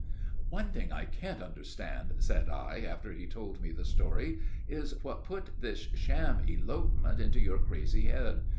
"One thing I can't understand," said I, after he had told me the story, "is what put this sham elopement into your crazy head.